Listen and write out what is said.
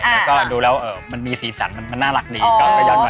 แล้วก็ดูแล้วมันมีสีสันมันน่ารักดีก็ย้อนหน่อยก็เลยอยากทำ